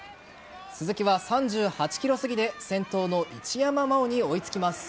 鈴木は３８ｋｍすぎで先頭の一山麻緒に追いつきます。